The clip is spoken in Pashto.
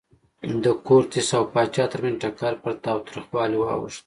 د کورتس او پاچا ترمنځ ټکر پر تاوتریخوالي واوښت.